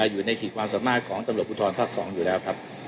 อยู่ในขีดความสามารถของตำรวจภูทรภาค๒อยู่แล้วครับ